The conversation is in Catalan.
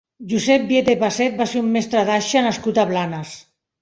Josep Vieta i Passet va ser un mestre d'aixa nascut a Blanes.